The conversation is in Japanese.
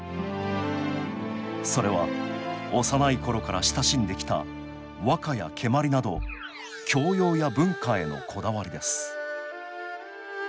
それは幼い頃から親しんできた和歌や蹴鞠など教養や文化へのこだわりです